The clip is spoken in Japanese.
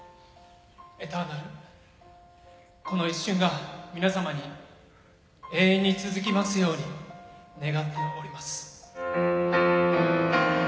「“Ｅｔｅｒｎａｌ”この一瞬が皆様に永遠に続きますように願っております」